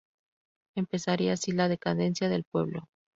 Empezaría así la decadencia del pueblo.